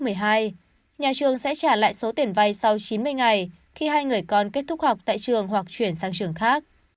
nhà trường sẽ trả lại số tiền vay sau chín mươi ngày khi hai người con kết thúc học tại trường hoặc chuyển sang trường khác